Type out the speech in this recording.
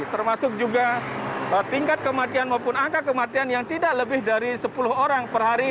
termasuk juga tingkat kematian maupun angka kematian yang tidak lebih dari sepuluh orang per hari